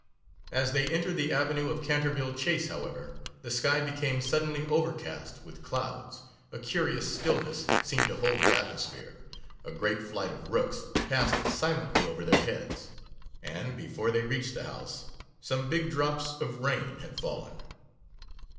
As they entered the avenue of Canterville Chase, however, the sky became suddenly overcast with clouds, a curious stillness seemed to hold the atmosphere, a great flight of rooks passed silently over their heads, and, before they reached the house, some big drops of rain had fallen.